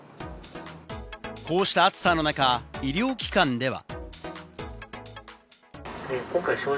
こうした暑さの中、医療機関では。